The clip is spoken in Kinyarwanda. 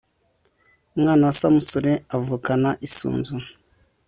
umwana wa samusure avukana isunzu